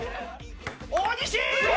大西！